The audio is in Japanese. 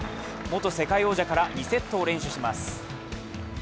元世界王者から２セットを連取します。